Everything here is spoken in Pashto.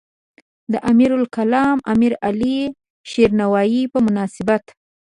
د امیرالکلام امیرعلی شیرنوایی په مناسبت.